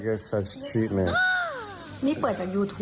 นี่เปิดจากยูทูปนะเว้ย